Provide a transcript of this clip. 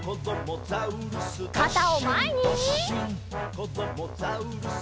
「こどもザウルス